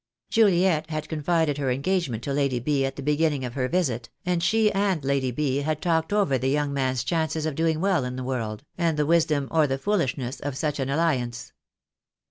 Juliet had confided her engagement to Lady B. at the beginning of her visit, and she and Lady B. had talked over the young man's chances of doing well in the world, and the wisdom or the foolishness of such an alliance.